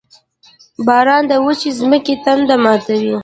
• باران د وچې ځمکې تنده ماتوي.